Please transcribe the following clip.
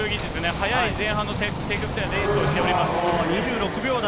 速い、前半の積極的なレースをしております。